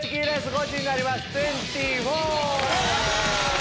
ゴチになります！